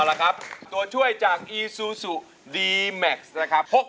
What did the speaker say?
อ๋อุวและครับตัวช่วยจากอีซูสูดีแมคท์นะครับ